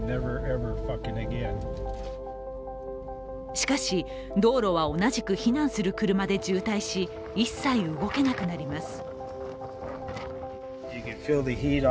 しかし、道路は同じく避難する車で渋滞し一切、動けなくなります。